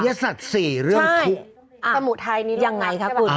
อริยสัตว์๔เรื่องทุกข์